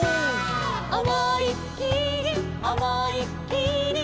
「おもいっきりおもいっきり」